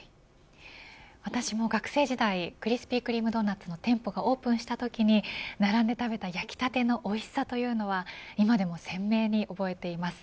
私も学生時代クリスピー・クリーム・ドーナツの店舗がオープンしたときに並んで食べた焼きたてのおいしさというのは今でも鮮明に覚えています。